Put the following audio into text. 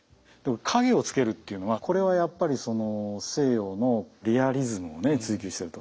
影をつけるっていうのはこれはやっぱりその西洋のリアリズムをね追求してると。